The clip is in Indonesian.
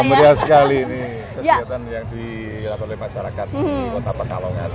meriah sekali ini kegiatan yang dilakukan oleh masyarakat di kota pekalongan